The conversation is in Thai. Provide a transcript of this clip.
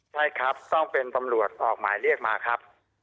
ใช่ครับต้องเป็นตำรวจออกหมายเรียกมาครับ